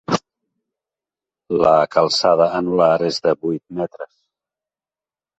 La calçada anular es de vuit metres.